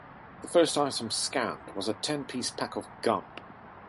The first item scanned was a ten piece pack of gum.